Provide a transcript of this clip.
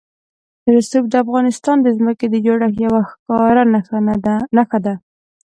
رسوب د افغانستان د ځمکې د جوړښت یوه ښکاره نښه ده.